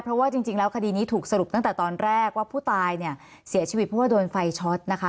เพราะว่าจริงแล้วคดีนี้ถูกสรุปตั้งแต่ตอนแรกว่าผู้ตายเนี่ยเสียชีวิตเพราะว่าโดนไฟช็อตนะคะ